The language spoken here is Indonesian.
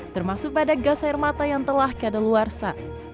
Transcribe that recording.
termasuk pada gas air mata yang telah kadaluarsa